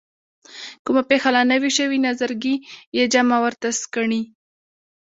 کومه پېښه لا نه وي شوې نظرګي یې جامه ورته سکڼي.